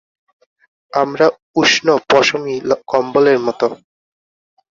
আমরা উষ্ণ পশমী কম্বলের মতো।